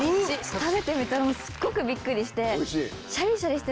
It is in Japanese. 食べてみたらすっごくビックリして。